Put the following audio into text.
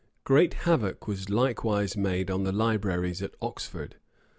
Great havoc was likewise made on the libraries at Oxford.